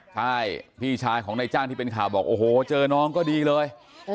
ใช่พี่ชายของนายจ้างที่เป็นข่าวบอกโอ้โหเจอน้องก็ดีเลย